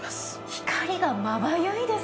光がまばゆいですね。